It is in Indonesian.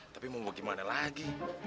tapi mau bagaimana lagi